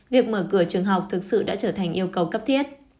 việc mở cửa trường học thực sự đã trở thành yêu cầu cấp thiết